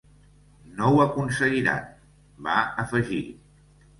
No ho aconseguiran –va afegir–.